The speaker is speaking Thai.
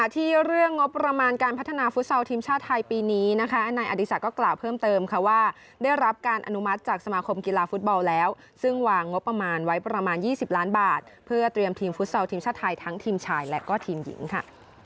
ทีมชาติชุดนี้นะคะอันนายอดิษัทก็กล่าวเพิ่มเติมค่ะว่าได้รับการอนุมัติจากสมาคมกีฬาฟุตบอลแล้วซึ่งหว่างงบประมาณไว้ประมาณ๒๐ล้านบาทเพื่อเตรียมทีมฟุตเซลล์ทีมชาติไทยทั้งทีมชายและก็ทีมหญิงค่ะ